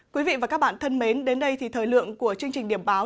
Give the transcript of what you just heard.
quý vị và các bạn thân mến đến đây thì thời lượng của chương trình điểm báo